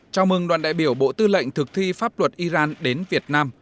chào mừng đoàn đại biểu bộ tư lệnh thực thi pháp luật iran đến việt nam